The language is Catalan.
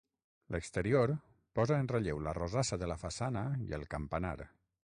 L'exterior posa en relleu la rosassa de la façana i el campanar.